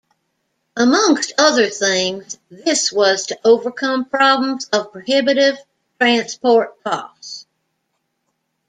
Amongst other things this was to overcome problems of prohibitive transport costs.